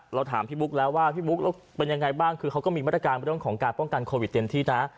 เราถามพี่บุ๊คแล้วว่าพี่บุ๊คแล้วเป็นยังไงบ้างก็มีของการป้องกันโควิดเตรียมที่นะ